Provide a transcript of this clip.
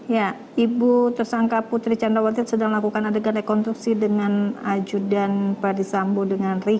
ya ibu tersangka putri candrawati sedang melakukan adegan rekonstruksi dengan ajudan padisambo dengan ricky